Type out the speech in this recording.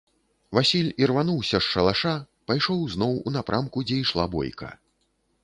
Васіль ірвануўся з шалаша, пайшоў зноў у напрамку, дзе ішла бойка.